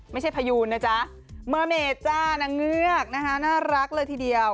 พยูนนะจ๊ะเมอร์เมดจ้านางเงือกนะคะน่ารักเลยทีเดียว